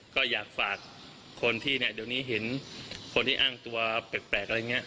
ก็อยากฝากคนที่เนี่ยเดี๋ยวนี้เห็นคนที่อ้างตัวแปลกอะไรอย่างนี้